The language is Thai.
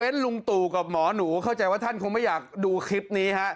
ลุงตู่กับหมอหนูเข้าใจว่าท่านคงไม่อยากดูคลิปนี้ฮะ